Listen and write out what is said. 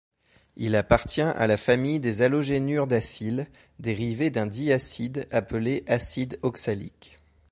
Il appartient à la famille des halogénures d'acyle, dérivé d'un diacide appelé acide oxalique.